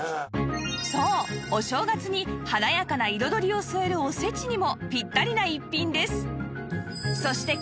そうお正月に華やかな彩りを添えるおせちにもピッタリな一品です